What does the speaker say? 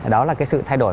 đó là cái sự thay đổi